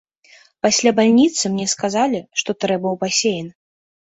Пасля бальніцы мне сказалі, што трэба ў басейн.